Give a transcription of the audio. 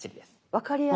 分かりやすい。